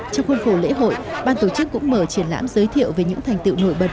trong khuôn khổ lễ hội ban tổ chức cũng mở triển lãm giới thiệu về những thành tựu nổi bật